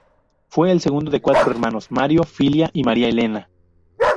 Fue el segundo de cuatro hermanos: Mario, Filia y María Elena.